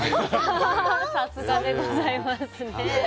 さすがでございますね。